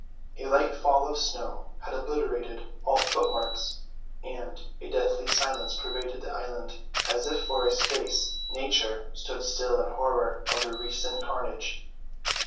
A light fall of snow had obliterated all footmarks; and a deathly silence pervaded the island, as if for a space Nature stood still in horror of the recent carnage.